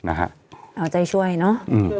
เอาใจช่วยเนอะ